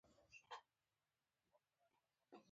په مناسب غذایي چاپیریال کې په چټکۍ تکثر کوي.